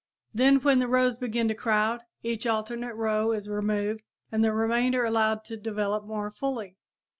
Then when the rows begin to crowd, each alternate row is removed and the remainder allowed to develop more fully.